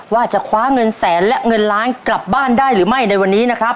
ว่าจะคว้าเงินแสนและเงินล้านกลับบ้านได้หรือไม่ในวันนี้นะครับ